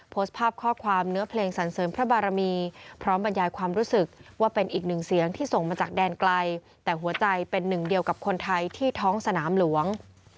โพสต์ภาพข้อความเนื้อเพลงสันเสริมพระบารมีพร้อมบรรยายความรู้สึกว่าเป็นอีกหนึ่งเสียงที่ส่งมาจากแดนไกลแต่หัวใจเป็นหนึ่งเดียวกับคนไทยที่ท้องสนามหลวง